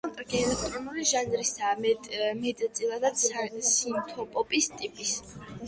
საუნდტრეკი ელექტრონული ჟანრისაა, მეტწილად სინთპოპის ტიპის.